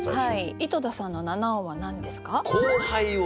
井戸田さんの七音は何ですか？